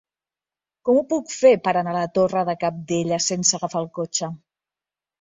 Com ho puc fer per anar a la Torre de Cabdella sense agafar el cotxe?